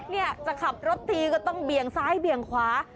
เนี่ยจะขับรถตีก็ต้องเบี่ยงซ้ายเบี่ยงขวา